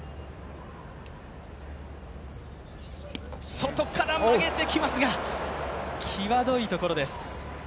外から曲げてきますが、きわどいところです。